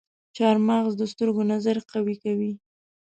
چارمغز د سترګو نظر قوي کوي.